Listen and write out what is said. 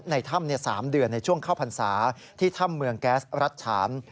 ในถ้ำ๓เดือนในช่วงเข้าพรรษาที่ถ้ำเมืองแก๊สรัชฉาน